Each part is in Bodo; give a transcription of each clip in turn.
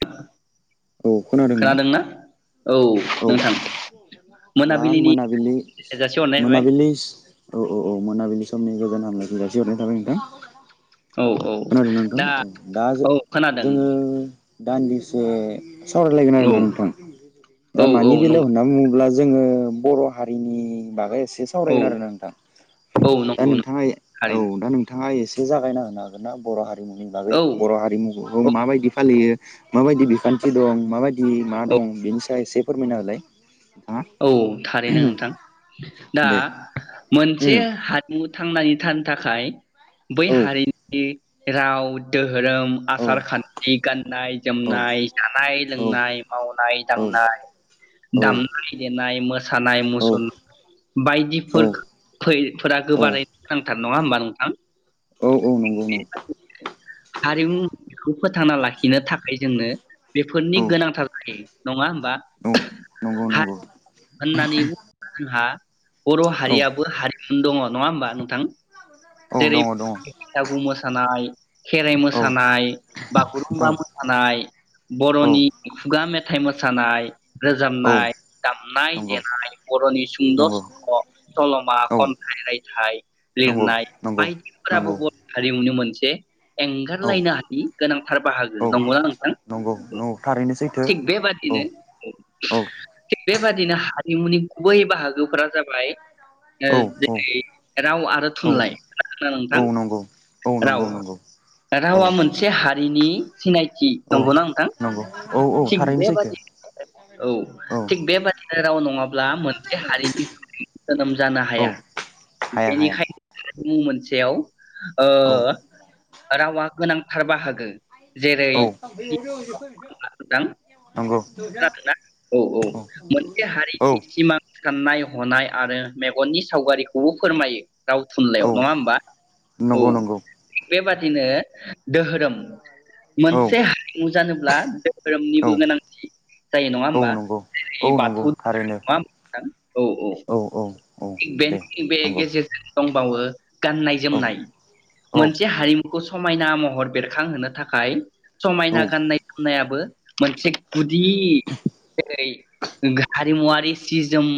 दा [inaudible] औ खोनादों ना? औ औ नोंथां दा मोनाबिलिनि मोनाबिलि जासिहरनाय थाबाय मोनाबिलिस औ औ औ मोनाबिलि समनि गोजोन हामलायनायखौ जासि हरनाय थाबाय नोंथां। औ औ खोनादों ना नोंथां दा औ दा औ खोनादों जो-जोङो दान्दिसे सावरायलायगोन औ आरोना नोंथां दा औ औ मानि बेलायाव नंगौ होनना बुङोब्ला जोङो बर' हारिनि बागै एसे औ सावरायगोन आरोना नोंथां औ दा नंगौ नंगौ नोंथाङा औ थारैनो दा नोंथाङा एसे जागायना होना हागोन ना बर' हा रिमुनि बागै औ बर' हारिमु [unintelligible] माबायदि फालियो माबायदि बिखान्थि दं माबायदि मा औ औ दं बेनि सायाव एसे फोरमायना होलाय नोंथाङा औ थारैनो नोंथां दा दे। मोनसे उम हारिमु थांनायै थानो थाखाय बै औ हारिनि राव दो होरोम, औ आसार खान्थि, औ गाननाय-जोमनाय, औ जानाय-लोंनाय, औ मावनाय-दांनाय, दाम नाय देनाय मोसानाय औ मुसुरनाय बायदिफोरैखै फोरा औ गोबारैनो गोनांथार नङा होमबा नोंथां? औ औ हारिमुखौ फोथांना लाखिनो थाखाय जोंनो बेफोरनि गोनांथार जायो नङा होमबा? नंगौ औ नंगौ हारिमु होननानै बुङोब्ला जोंहा बर' हारियाबो हारिमु दङ' नङा होमबा नोंथां जेरै बैसागु मोसानाय, खेराइ मोसानाय, औ बागुरुमबा मोसानाय, दङ दङ औ बर'नि खुगा मेथाइ मोसानाय, औ नंगौ दामनाय-देनाय, बर'नि सुंद' नंगौ सल', सल'मा, औ खन्थाइ, रायथाइ नंगौ लिरनाय नंगौ बायदिफोराबो नंगौ बर' हारिमुनो मोनसे औ एंगारलायनो हायि गोनांथार बाहागो। नंगौ ना नोंथां? नंगौ औ थारैनो सैथो थिग बेबादिनो औ। औ [inaudible] थिग बेबादिनो हारिमुनि गुबै बाहागोफोरा जाबाय ओ औ औ जेरै राव आरो औ थुनलाइ खोनादों ना औ नोंथां? नंगौ औ राव नंगौ नंगौ औ रावा मोनसे हारिनि सिनायथि। औ नंगौ ना नोंथां? नंगौ औ औ थिग थारैनो सैथो बेबादिनो औ थिग बेबादिनो राव नङाब्ला मोनसे हारिनि थाखाय जोनोम जानो हाया औ हाया हाया बेनिखायनो मुं मोनसेयाव ओ औ रावा गोनांथार बाहागो जेरै औ [inaudible] नंगौ औ नंगौ नंगौ औ औ औ औ नंगौ नंगौ थारैनो औ औ औ औ दे नंगौ औ औ औ औ औ गुदि जेरै हारिमुवारि सि जोम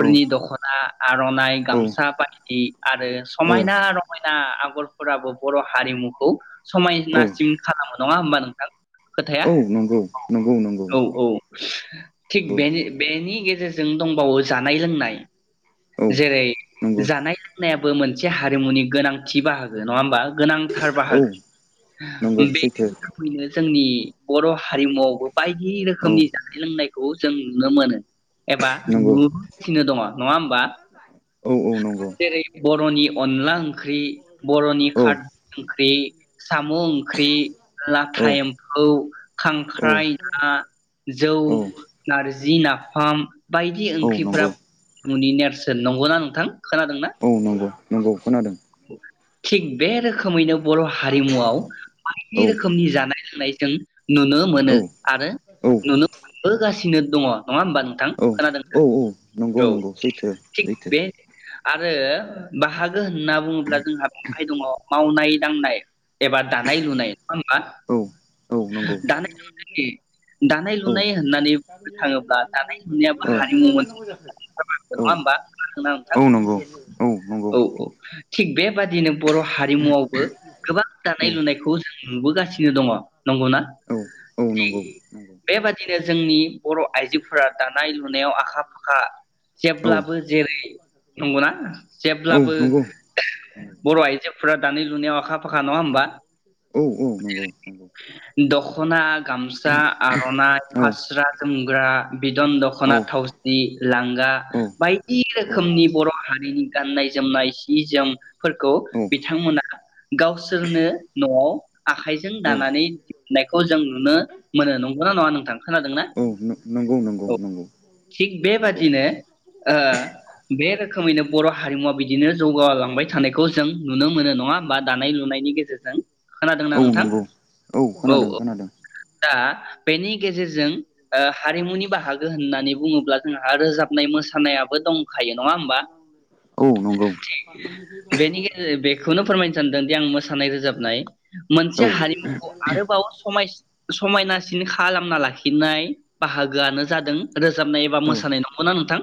औ दखना आर'नाइ गामसा बायदि आरो औ समायना रमायना आगरफोराबो बर' हारिमुखौ औ समायनासिन खालामो नङा होमबा नोंथां खोथाया औ नंगौ नंगौ औ नंगौ औ औ थिग नंगौ बेनि बेनि गेजेरजों दंबावो जानाय लोंनाय औ जेरै नंगौ जानाय लोंनायाबो मोनसे हारिमुनि गोनांथि बाहागो नङा होमबा गोनांथार औ बाहागो नंगौ बि सैथो [unintelligible] जोंनि बर' हारिमुआवबो बायदि औ रोखोमनि जानाय लोंनायखौबो जों नुनो मोनो एबा नंगौ नुबोगासिनो दङ नङा होमबा औ औ नंगौ जेरै बर'नि अनला ओंख्रि बर'नि औ खारदै ओंख्रि साम' ओंख्रि औ लाथा एम्फौ औ खांख्राइ ना जौ नारजि नाफाम बायदि औ नंगौ ओंख्रिफोराबो [unintelligible] मुनि नेरसोन नंगौ ना नोंथां खोनादों ना औ नंगौ नंगौ खोनादों थिग बे रोखोमैनो बर' हारिमुआव बायदि औ रोखोमनि जानाय लोंनाय जों नुनो मोनो औ आरो औ नुनो मोनबोगासिनो दङ नङा होमबा नोंथां औ खोनादों औ ना नंगौ सैथो थिग सैथो बे आरो ओ बाहागो होन ना बुङोब्ला जोंहा [unintelligible] दङ मावनाय दांनाय एबा दानाय लुनाय नङा होनबा औ औ नंगौ दानाय लुनाय दानाय औ लुनाय होननानै बुंनो थाङोब्ला दानाय लुनायाबो औ हारिमु मोनसे नङा होमबा [unintelligible] नोंथां नंगौ औ नंगौ औ औ थिग बेबादिनो बर' हारिमुआवबो गोबां औ दानाय लुनायखौ जों नुबोगासिनो दङ नंगौ ना औ औ थिक नंगौ नंगौ बेबादिनो जोंनि बर' आइजोफोरा दानाय लुनायाव आखा फाखा औ जेब्लाबो जेरै नंगौ ना औ जेब्लाबो नंगौ बर' आइजो फोरा दानि लुनायाव आखा फाखा नङा होमबा औ औ नंगौ नंगौ दखना गामसा आर'नाइ औ फास्रा जोमग्रा बिदन औ दख'ना थावसि लांगा औ बायदि रोखोमनि बर' हारिनि गाननाय जोमनाय सि जोम फोरखौ बिथांमोना गावसोरनो नआव आखाइजों दानानै दिहुननायखौ जों नुनो मोनो नंगौना नङा नोंथां खोनादोंना औ नंगौ नंगौ औ नंगौ थिग नंगौ बेबादिनो ओ बे रो खोमैनो बर' हारिमुवा बिदिनो जौगालांबाय थानायखौ जों नुनो मोनो नङा होनबा दानाय लुनायनि गेजेरजों खोनादोंना औ नोंथां नंगौ औ खोनादों खोनादों दा बेनि गेजेरजों ओ हारिमुनि बाहागो होननानै बुङोब्ला जोंहा रोजाबनाय मोसानायाबो दं औ नंगौ बेनि गेजेर बेखौनो फोरमायनो सानदोंदि आं मोसानाय रोजाबनाय मोनसे औ हारिमु आरोबाव समाय समायनासिन खालामना लाखिनाय बाहागोआनो जादों रोजाबनाय एबा औ मोसानाय नंगौना नोंथां?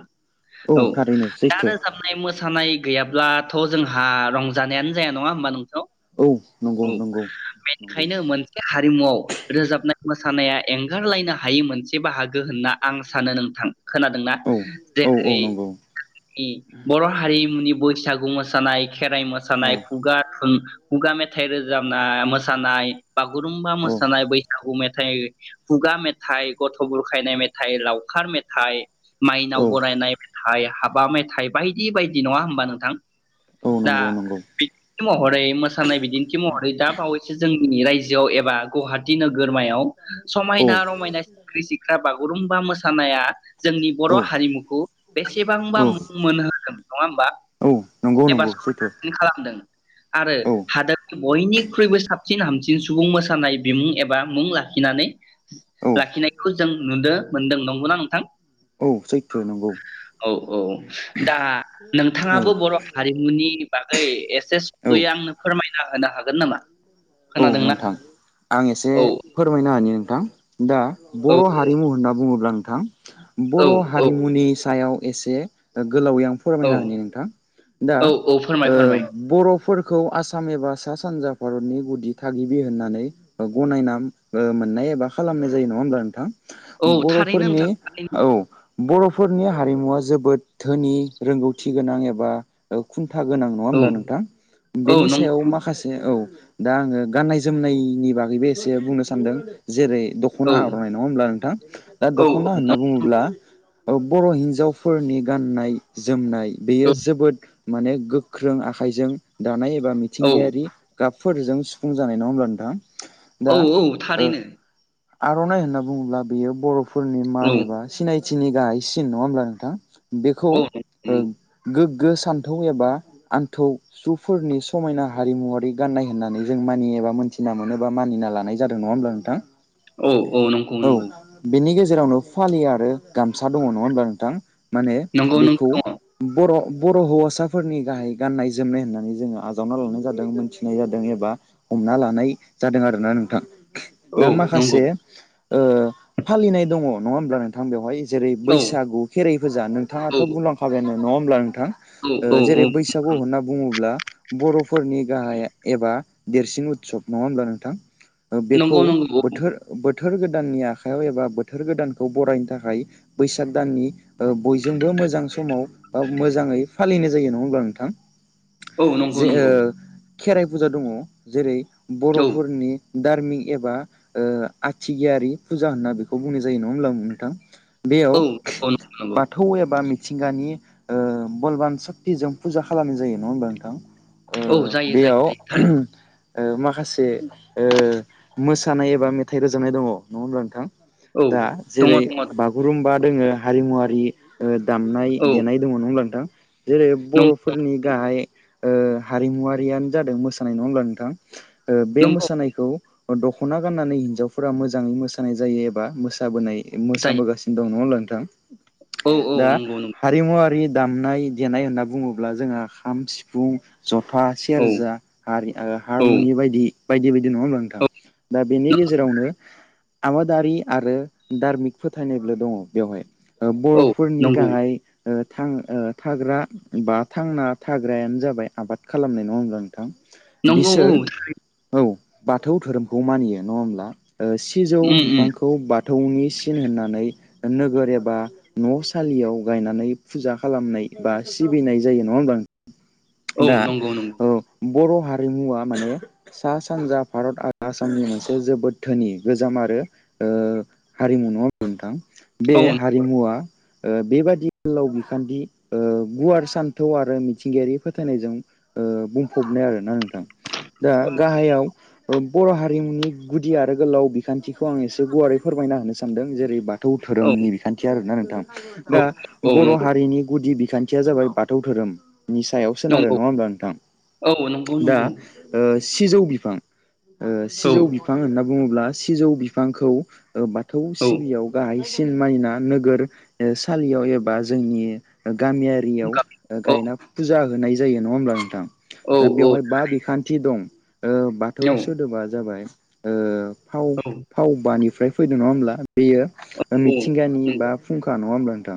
औ। थारैनो दा सैथो रोजाबनाय मोसानाय गैयाब्लाथ' जोंहा रंजानायानो जाया नङा होमबा नों औ नंगौ नंगौ। नंगौ खायनो मोनसे हारिमुआव रोजाबनाय मोसानाया एंगारलायनो हायै मोनसे बाहागो होनना आं सानो नोंथां। खोनादोंना? औ औ औ जेरै- नंगौ बर' हारिमुनि बैसा गु मोसानाय खेराइ औ मोसानाय, खुगा थुन खुगा मेथाइ रोजाबना मो सानाय बागुरुम्बा औ मोसानाय, बैसागु मे थाइ, खुगा मेथाइ, गथ' बुरखायनाय मेथाइ, लावखार मेथाइ औ माइनाव बरायनाय थाइ, हाबा मेथाइ बायदि बायदि नङा होमबा नोंथां औ दा नंगौ नंगौ बिदिन्थि महरै मोसानाय बिदिन्थि महरै दा बावै जोंनि रायजोआव एबा गुवाहाटि नोगोर गोरमायाव औ समायना रमायना सिख्रि सिख्ला बाग बागुरुमबा मोसानाया जोंनि बर' औ हारिमुखौ बेसेबांबा औ मुं मोनहोदों नङा होमबा औ नंगौ एबा नंगौ सैथो समायनासिन खालामदों आरो औ हादोरनि बयनिख्रुइबो सा हामसिन सुबुं मोसानाय बिमुं एबा मुं लाखिनानै औ लाखिनायखौ जों नुनो मोनदों नंगौना नोंथां औ सैथो नंगौ औ औ दा औ नोंथाङाबो बर' हारिमुनि बागै एसे औ सुदयै आंनो फोरमाय होनो हागोन नामा औ खोनादोंना? नोंथां आं एसे औ फोरमायनो होनि नोंथां दा औ बर' हारिमु होनना बुङोब्ला आं आ औ बर' औ हारिमुनि सायाव एसे गोलावै आं औ फोरमायना होनि नोंथां दा औ औ फोरमाय फोरमाय बर'फोर खौ आसाम एबा सा सानजा भारतनि गु बिदि थागिबि होननानै गनायना मोननाय एबा खालामनाय जायो नङा होमब्ला नोंथां औ थारैनो बर'फोरनि नोंथां थारैनो औ बर' फोरनि हारिमुवा जोबोद धोनि रोंगौथि गोनां एबा खोथा गोनां नङा औ होमबा नोंथां औ बेनि नंगौ सायाव माखासे औ दा आङो गान्नाय जोमनायनि बागैबो एसे बुंनो सानदों जेरै नंगौ दख'ना औ आर'नाय नङा होमब्ला नोंथां दा औ दख'ना औ होनना नंगौ बुङोब्ला बर' हिन्जावफोरनि गाननाय जोमनाय बेयो औ जोबोद माने गोख्रों आखाइजों दानाय बा औ मिथिंगायारि गाब फोरजों सुफुं जानाय नङा होमब्ला नोंथां दा औ औ ओ थारैनो आर'नाइ होनना बुङोब्ला बेयो बरफ फोरनि औ मान एबा सिनायथि खाथिनि गाहाइसिन नङा होमब्ला नोंथां बेखौ औ नंगौ ओ नंगौ गोग गोसान्थौ एबा आन्थौ जुफोरनि समायना हारिमुवरारि गाननाय होननानै जों मानि एबा मोनथिना मोनोबा मानिना लानाय जादों नङा होमब्ला नोंथां औ औ नंगौ नंगौ। जेरावनो फालि आरो गामसा दङ नङा होमब्ला नोंथां। माने नंगौ नों बेखौ दङ बर' बर' हौवासाफोरनि गाहाय गाननाय जोमनाय होननानै जोङो आजावना लानाय जादों मोनथि नाय जादों एबा हमना लानाय जादों आरोना नोंथां दा औ नंगौ माखासे ओ फालिनाय दङ नङा होमब्ला नोंथां बेवहाय जेरै औ बैसागु खेराइ फुजा औ नोंथाङाथ' बुंलांखाबायानो नंङा होमब्ला थां औ औ औ जेरै ओ बैसागु होनना बुङोब्ला बर'फोरनि गाहाय बा देरसिन उतसब नङा होमब्ला नोंथां बेखौ नंगौ नंगौ बोथोर बोथोर बोथोर गोदाननि आखायाव एबा बोथोर गोदानखौ बरायनो थाखाय बैसाग दाननि बयजोंबो मोजां समाव बा मोजाङै फालिनाय जायो नङा होमब्ला नोंथां औ नंगौ जे नंगौ ओ खेराइ फुजा दङ जेरै औ बर'फोरनि दार्मिक एबा ओ आथिगियारि फुजा होनना बेखौ बुंनाय जायो नङा होनब्ला नोंथां बेयाव औ औ नंगौ नंगौ बाथौ एबा मि मिथिसिंगानि ओ बलबान सक्तिजों फुजा खालामनाय जायो नङा होनबा नोंथां ओ औ जाय बेयाव ओ माखासे ओ मोसानाय एबा मेथाइ रोजाबनाय दङ नङा होनब्ला नोंथां औ दा दङ जेरै दङ बागुरुम्बा दोङो हारिमुवारि ओ दामनाय औ देनाय दङ नंङाहोमब्ला थां जेरै नंगौ बर'फोरनि गाहाय ओ हारिमु हारियनो जादों मोसानाय नङा होनब्ला नोंथां ओ बे नंगौ मोसानायखौ दख'ना गाननानै हिन्जावफोरा मोजाङै मोसानाय जायो एबा मोसाबोनाय जायो मोसाबोगासिनो दं नङा होमब्ला नों औ थां औ दा नंगौ नंगौ हारिमुवारि दामनाय देनाय होनना बुङोब्ला जोंहा खाम सिफुं जथा औ सेरजा हारि ओ औ हारमुनि बायदि बायदि बाय दि नङा होनब्ला नोंथां औ दा बेनि नं- गेजेरावनो आबादारि आरो धारमिक फोथायनायबो दङ बेवहाय ओ औ बर'फोरनि नंगौ गाहाय ओ थां ओ थाग्रा बा थांना थाग्रायानो जाबाय आबाद खालामनाय नङा होमब्ला नों थां नंगौ औ बिसोर औ बाथौ धोरोमखौ मानियो नङा होमब्ला ओ सिजौ उम बिफांखौ बाद थौनि सिन होननानै नोगोर एबा न' सलियाव गायनानै फुजा खालामनाय बा सिबिनाय जायो नङा होमब्ला औ नं गौ नंगौ बर' हारिमुवा माने सा सानजा भारत आरो आसामनि मोनसे जोबोद धोनि गोजाम आरो ओ हारिमु नङा होनबा नोंथां बे औ हारिमुवा ओ बेबादि गोलाव बिखान्थि ओ गुवार सान्थौ आरो मिथिंगायारि फोथायनायजों ओ बुंफबनाय आरोना नोंथां दा गाहायाव बर' हारिमुनि गुदि आरो गोलाव बिखान्थिखौ आं एसे गुवारै फोरमायना होनो सानदों जेरै बा थौ औ धोरोमनि बिखान्थि आरोना नोंथां औ दा औ बर' नंगौ हारिनि गुदि खान्थिया जाबाय बाथौ धोरोम नि सायाव सोनारो नंगौ नङा होमब्ला थां औ नंगौ दा नंगौ ओ सिजौ बिफां ओ सिजौ बिफां होनना बुङोब्ला सिजौ बिफांखौ ओ बाथौ औ सिबियाव गाहाय सिन मानिना नोगोर सालियाव एबा जोंनि गामियारियाव गाब औ गायना फुजा होनाय जायो नङा होनब्ला नों औ दा औ बेवहाय बा बिखान्थि दं ओ बाथौ नंगौ सोदोबा जाबाय ओ फाव फाव बानिफ्राय फैदों नङा होमब्ला? बेयो मिथिंगानि बा फुंखा नङा होमब्ला थां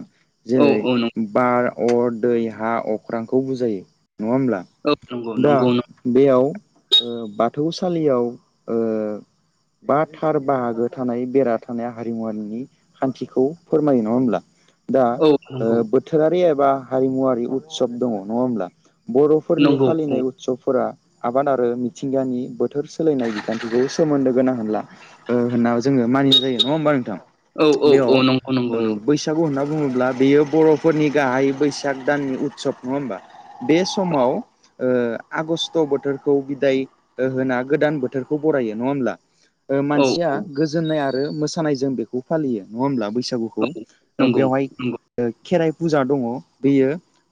औ जेरै औ नंगौ बार, अर, दै, हा, अख्रांखौ बुजायो नङा होमब्ला? औ नंगौ दा नंगौ नं- बेयाव ओ बाथौसालियाव ओ बा थार बाहागो थानाय बेरा थानाय हारिमुवारिनि खान्थिखौ फोरमायो नङा होमब्ला? दा औ ओ नंगौ बोथोरारि बा हारिमुवारि उत्सब दङ नङा होमब्ला? ब फोरनि नंगौ फालिनाय उत्सबफोरा आबाद आरो मिथिंगानि बोथोर सोलायनाय बिान्थिखौ सोमोन्दो गोनां होनला ओ होनना जोङो मानिनाय जायो नङा होमबा नोंथां? औ औ औ बेयाव नंगौ नंगौ ओ नंगौ। बैसागु होनना बुङोब्ला बेयो बर'फोरनि गाहाय बैसाग दाननि उत्सब नङा होमबा? बे समाव ओ आगस्ट बोथोरखौ ओ बिदाय होना गोदान बोथोरखौ बरायो नङा होमब्ला? ओ औ मानसिया औ गोजोननाय आ रो मोसानाय जों बेखौ फालियो नङा होमब्ला बै बैसागुखौ? ओ नंगौ बेवहाय नंगौ ओ खेराइ फुजा दङ बेयो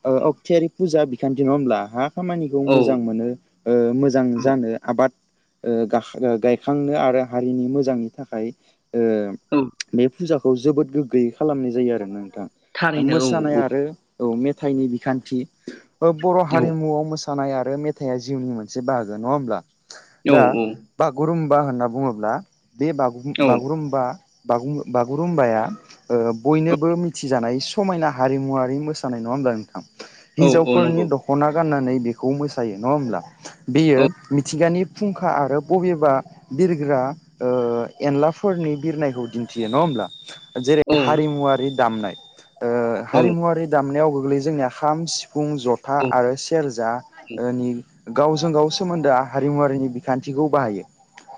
ओ अख्तियारि फुजा बि खान्थि नङा होमब्ला हा? खामानिखौ मोजां औ मोनो ओ मोजां औ जानो आबाद ओ गाखां गायखांनो आरो हारिनि मोजांनि थाखाय ओ औ बे फुजाखौ जोबोद गोग्गोयै खालामनाय जायो आरो नों थां। दा थारैनो मोसानाय औ आरो औ मेथाइनि बिखान थि ओ बर' औ हारिमुआव मोसानाय आरो मेथाइआ जिउनि मोनसे बाहागो नङा होमब्ला? औ दा बागुरुम बा होनना बुङोब्ला बे बागु औ बागुरुम्बा बागुरुम बागुरुम्बाया ओ बयनोबो मिथिजानाय समायना हारिमुवारि मोसानाय नङा होनब्ला नोंथां। औ औ हिनजावफोरनि नंगौ दख'ना गाननानै बेखौ मोसायो नङा होमब्ला। औ बियो मिथिंगानि फुंखा आरो बबेबा बिरग्रा ओ एनलाफोरनि बिरनायखौ दिन्थियो नङा होमब्ला। जेरै औ हारिमुवारि दामनाय ओ औ हारिमुवारि दामनायावबो जोंनिया खाम सि फुं जथा औ आरो सेरजा ओनि गावजों गाव सोमोन्दोआ हारिमुवारिनि बिखान्थिखौ बाहायो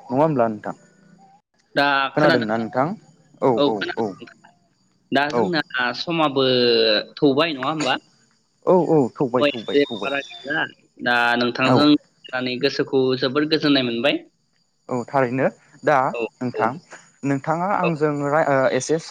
नङा होमब्ला नोंथां। खोनादों ना नोंथां? औ खोनादों। दा औ जोंना समा बो थौबाय नङा होमबा। औ औ [unintelligible] थौबाय थौबाय थौबाय औ गोसोखौ जोबोर गोजोननाय मोनबाय! औ थारैनो दा औ औ नोंथां नों थांआ आंजों राय एसे [unintelligible]